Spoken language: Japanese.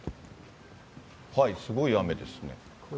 すごい雨ですね。